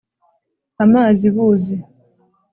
• amazi buzi.